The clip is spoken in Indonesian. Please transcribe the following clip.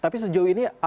tapi sejauh ini apakah ada